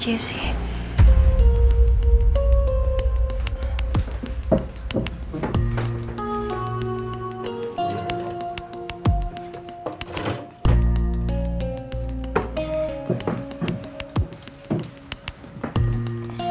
jadi saya parents